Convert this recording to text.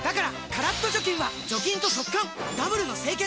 カラッと除菌は除菌と速乾ダブルの清潔！